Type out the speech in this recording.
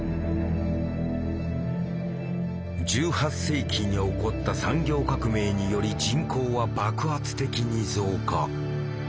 １８世紀に起こった産業革命により人口は爆発的に増加。